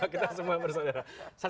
kita semua bersaudara